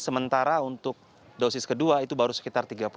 sementara untuk dosis kedua itu baru sekitar